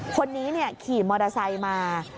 คนนี้ขี่มอเตอร์ไซค์มา